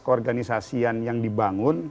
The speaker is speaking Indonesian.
koorganisasian yang dibangun